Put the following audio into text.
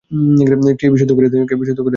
কে বিশুদ্ধ করে দেবে।